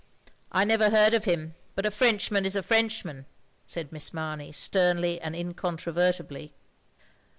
"I never heard of him, but a Frenchman is a Frenchman," said Miss Mamey, sternly and incontrovertibly.